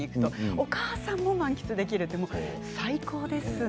お母さんも満喫できるって最高ですね。